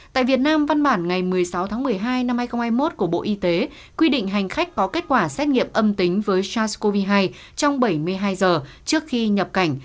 tại việt nam văn bản ngày một mươi sáu tháng một mươi hai năm hai nghìn hai mươi một của bộ y tế quy định hành khách có kết quả xét nghiệm âm tính với sars cov hai trong bảy mươi hai giờ trước khi nhập cảnh